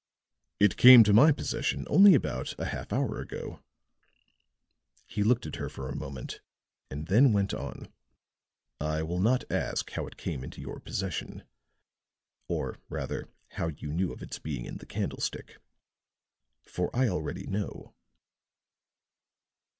It came to my possession only about a half hour ago." He looked at her for a moment, and then went on: "I will not ask how it came into your possession, or rather how you knew of its being in the candlestick, for I already know."